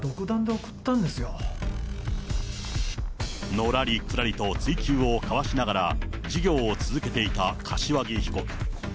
のらりくらりと追及をかわしながら、事業を続けていた柏木被告。